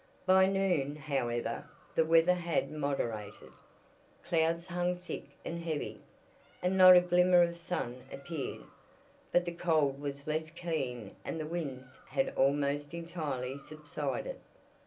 By noon, however, the weather had moderated. Clouds hung thick and heavy, and not a glimmer of sun appeared, but the cold was less keen and the winds had almost entirely subsided.